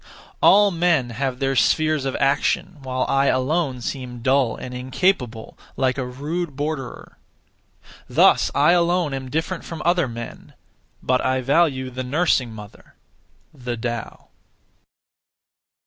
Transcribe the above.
All men have their spheres of action, while I alone seem dull and incapable, like a rude borderer. (Thus) I alone am different from other men, but I value the nursing mother (the Tao).